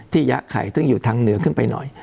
ยะไข่ซึ่งอยู่ทางเหนือขึ้นไปหน่อย